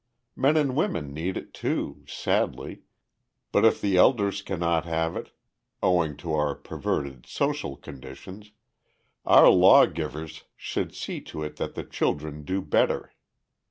Men and women need it too, sadly, but if the elders cannot have it, owing to our perverted social conditions, our law givers should see to it that the children do better.